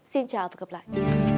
xin chào và hẹn gặp lại